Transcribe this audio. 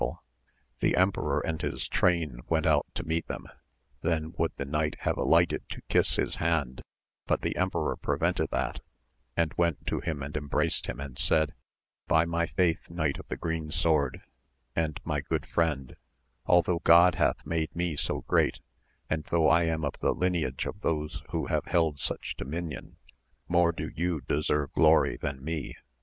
AMADIS OF GAUL 291 The emperor and his train went out to meet them ; then would the knight have alighted to kiss his hand but the emperor prevented that, and went to him and embraced him and said, By my faith Knight of the Green Sword and my good friend, although God hath made me so great, and though I am of the lineage of those who have held such dominion, more do you deserve glory than me